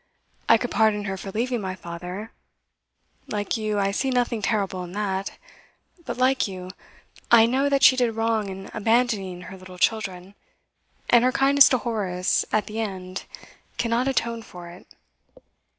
I could pardon her for leaving my father; like you, I see nothing terrible in that; but, like you, I know that she did wrong in abandoning her little children, and her kindness to Horace at the end cannot atone for it.